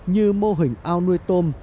như mô hình ao nuôi tôm